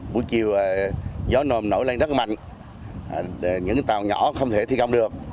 buổi chiều gió nồm nổi lên rất mạnh những tàu nhỏ không thể thi công được